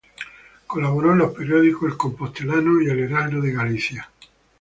Colaboró en los periódicos "El Compostelano" y "Heraldo de Galicia".